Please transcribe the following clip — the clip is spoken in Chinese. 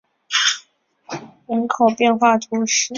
内雷人口变化图示